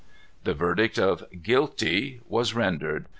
The verdict of guilty was rendered.